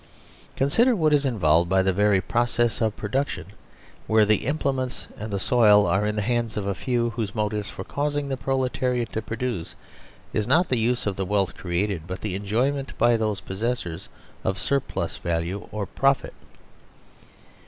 Consider what is involved by the very process of production where the implements and the soil are in the hands of a few whose motive for causing the proletariat to produce is not the use of the wealth created but the enjoyment by those pos sessors of surplus value or " profit."